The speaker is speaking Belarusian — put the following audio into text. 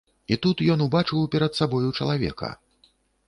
І тут ён убачыў перад сабою чалавека.